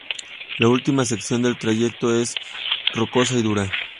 La última sección del trayecto es rocosa y dura.